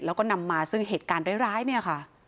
แล้วก็นำมาซึ่งเหตุการณ์ร้ายเนี่ยค่ะ